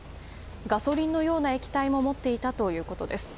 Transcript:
ガソリンのような液体も持っていたということです。